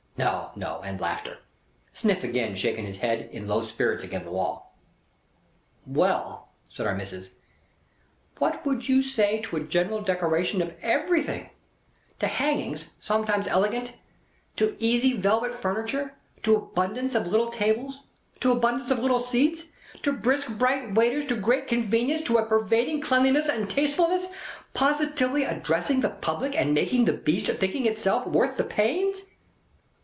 No, no, and laughter. Sniff agin shaking his head in low spirits agin the wall. "Well," said Our Missis, "what would you say to a general decoration of everythink, to hangings (sometimes elegant), to easy velvet furniture, to abundance of little tables, to abundance of little seats, to brisk bright waiters, to great convenience, to a pervading cleanliness and tastefulness positively addressing the public and making the Beast thinking itself worth the pains?"